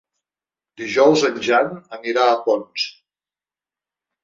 Dijous en Jan anirà a Ponts.